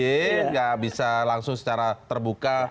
tidak bisa langsung secara terbuka